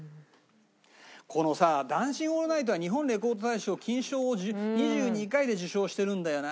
このさ『ダンシング・オールナイト』は日本レコード大賞金賞を２２回で受賞してるんだよな。